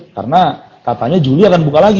karena katanya juli akan buka lagi